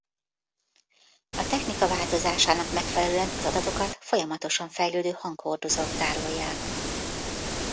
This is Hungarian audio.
A technika változásának megfelelően a adatokat folyamatosan fejlődő hanghordozók tárolják.